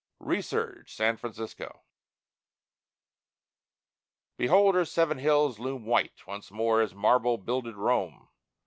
RESURGE SAN FRANCISCO Behold her Seven Hills loom white Once more as marble builded Rome.